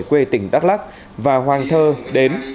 quê tỉnh đắk lắc và hoàng thơ đến